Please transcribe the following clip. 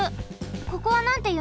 ここはなんていうの？